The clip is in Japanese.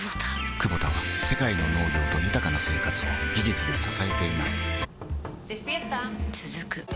クボタは世界の農業と豊かな生活を技術で支えています起きて。